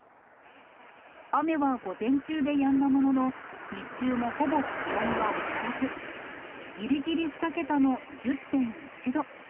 雨は午前中でやんだものの、日中もほぼ気温は上がらず、ぎりぎり２桁の１０．１度。